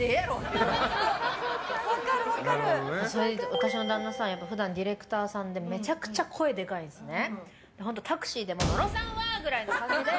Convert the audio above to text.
私の旦那さん、普段ディレクターさんでめちゃくちゃ声でかいんですね。